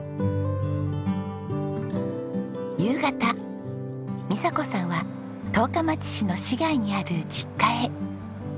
夕方美佐子さんは十日町市の市街にある実家へ。